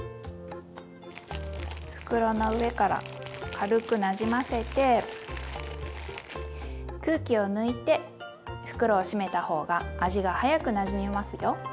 袋の上から軽くなじませて空気を抜いて袋を閉めた方が味が早くなじみますよ。